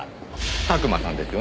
佐久間さんですよね。